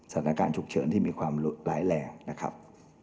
สถานการณ์ฉุกเฉินที่มีความร้ายแรงนะครับ